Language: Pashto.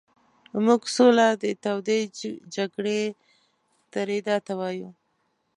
موږ سوله د تودې جګړې درېدا ته وایو.